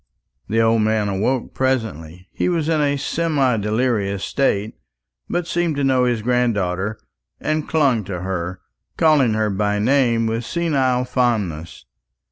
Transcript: The old man awoke presently. He was in a semi delirious state, but seemed to know his granddaughter, and clung to her, calling her by name with senile fondness.